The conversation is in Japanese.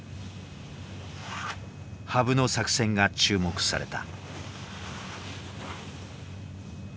羽生の作戦が注目された。